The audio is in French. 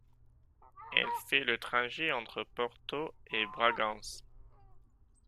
Elle fait le trajet entre Porto et Bragance.